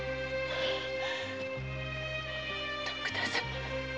徳田様。